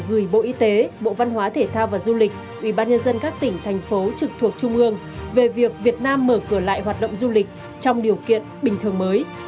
gửi bộ y tế bộ văn hóa thể thao và du lịch ubnd các tỉnh thành phố trực thuộc trung ương về việc việt nam mở cửa lại hoạt động du lịch trong điều kiện bình thường mới